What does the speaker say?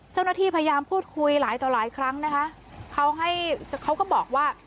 เจ้าหน้าที่พยายามพูดคุยหลายต่อหลายครั้งนะคะเขาให้เขาก็บอกว่า